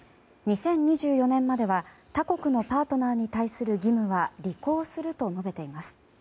２０２４年までは他国のパートナーに対する義務は履行すると述べています。